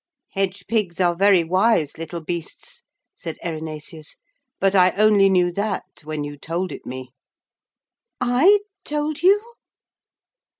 'Hedge pigs are very wise little beasts,' said Erinaceus, 'but I only knew that when you told it me.' 'I told you?'